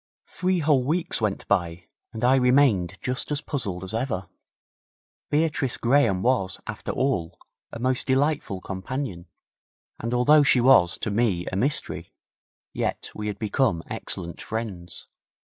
Three whole weeks went by, and I remained just as puzzled as ever. Beatrice Graham was, after all, a most delightful companion, and although she was to me a mystery, yet we had become excellent friends.